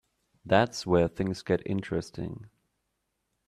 That's where things get interesting.